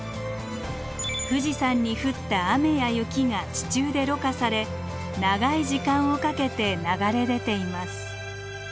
富士山に降った雨や雪が地中でろ過され長い時間をかけて流れ出ています。